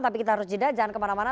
tapi kita harus jeda jangan kemana mana